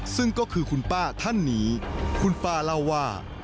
ซึ่งก็คือคุณป้าท่านนี้คุณป้าเล่าว่า